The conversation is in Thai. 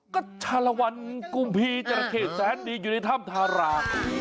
ก็ชาลวันกุมพีจราเข้แสนดีอยู่ในถ้ำทารา